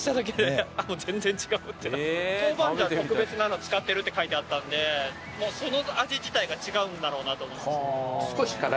豆板醤特別なの使ってるって書いてあったんでもうその味自体が違うんだろうなと思いました。